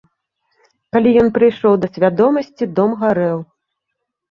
Калі ён прыйшоў да свядомасці, дом гарэў.